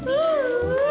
siapa tahu itu jebakan